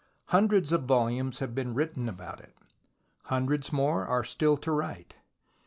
Hundreds of volumes have been written about it ; hundreds more are still to write.